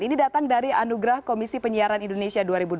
ini datang dari anugerah komisi penyiaran indonesia dua ribu dua puluh